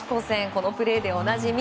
このプレーでおなじみ。